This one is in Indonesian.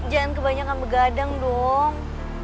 jangan kebanyakan begadang dong